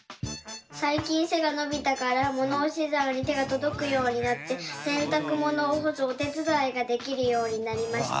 さいきんせがのびたから物干しざおにてがとどくようになって洗たく物を干すお手伝いができるようになりました。